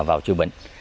vào chữa bệnh